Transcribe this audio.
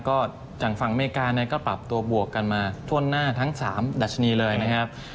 ก็จากฝั่งอเมริกาเนี่ยก็ปรับตัวบวกกันมาทั่วหน้าทั้ง๓ดัชนีเลยนะครับ